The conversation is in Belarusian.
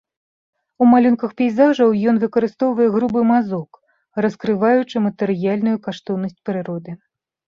У малюнках пейзажаў ён выкарыстоўвае грубы мазок, раскрываючы матэрыяльную каштоўнасць прыроды.